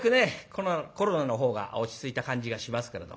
このコロナのほうが落ち着いた感じがしますけれども。